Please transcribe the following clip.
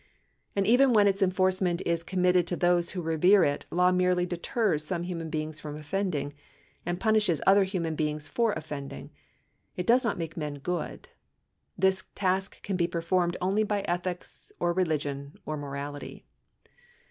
And even when its enforcement, is committed to those who revere it, law merely deters some human beings from offending, and punishes other human beings for offending. It does not make men good. This task can be performed only by ethics or religion or morality.